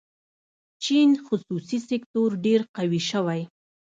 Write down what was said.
چین خصوصي سکتور ډېر قوي شوی.